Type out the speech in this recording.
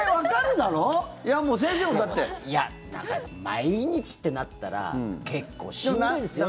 毎日ってなったら結構しんどいですよ。